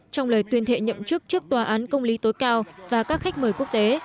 trong lời tuyên thệ nhậm chức trước tòa án công lý tối cao và các khách mời quốc tế